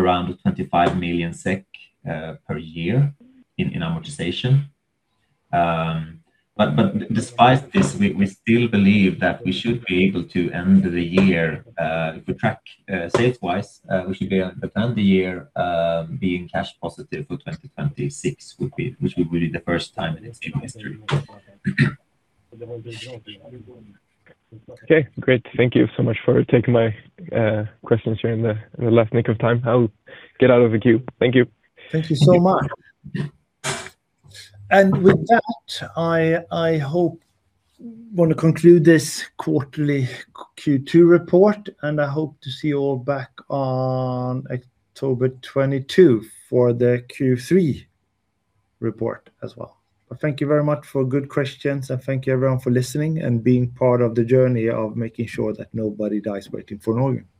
around 25 million SEK per year in amortization. Despite this, we still believe that we should be able to end the year, if we track sales-wise, we should be able to end the year being cash positive for 2026, which would be the first time in its history. Okay, great. Thank you so much for taking my questions here in the last nick of time. I'll get out of the queue. Thank you. Thank you so much. With that, I want to conclude this quarterly Q2 report, and I hope to see you all back on October 22 for the Q3 report as well. Thank you very much for good questions, and thank you everyone for listening and being part of the journey of making sure that nobody dies waiting for an organ.